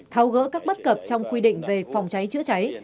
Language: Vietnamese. tháo gỡ các bất cập trong quy định về phòng cháy chữa cháy